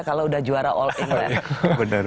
kalau udah juara all england